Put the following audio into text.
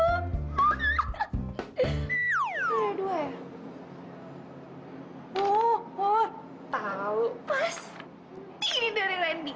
udah dua ya holly tahu pasti bedanya dress dress